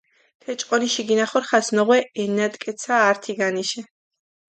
თე ჭყონიში გინახორხას ნოღვე ელნატკეცა ართი განიშე.